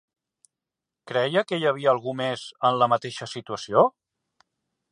Creia que hi havia algú més en la mateixa situació?